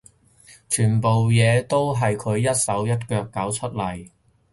全部嘢都係佢一手一腳搞出嚟